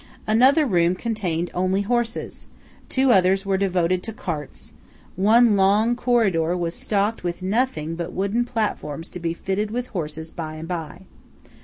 Another room contained only horses; two others were devoted to carts; one long corridor was stocked with nothing but wooden platforms to be fitted with horses by and by.